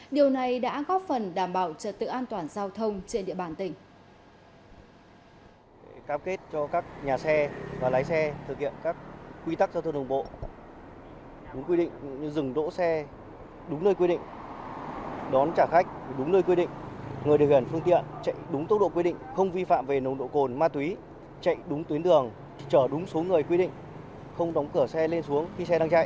điều này đã góp phần đảm bảo trật tự an toàn giao thông trên địa bàn tỉnh